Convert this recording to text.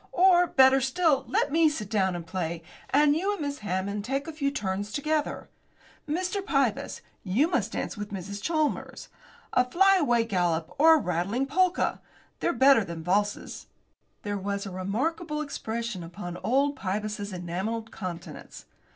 Or, better still, let me sit down and play, and you and Miss Hammond take a few turns together. Mr. Pybus, you must dance with Mrs. Chalmers. A flyaway gallop, or a rattling polka. They're better than valses." There was a remarkable expression upon old Pybus's enamelled countenance.